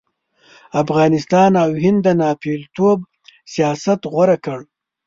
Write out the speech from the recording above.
افغانستان او هند د ناپېلتوب سیاست غوره کړ.